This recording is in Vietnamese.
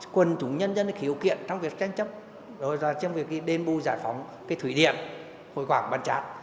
quần chúng nhân dân khiếu kiện trong việc tranh chấp trong việc đền bùi giải phóng thủy điện hồi quảng bàn trán